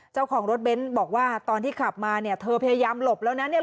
เจ้าของรถเบนท์บอกว่าตอนที่ขับมาเนี่ยเธอพยายามหลบแล้วนะเนี่ย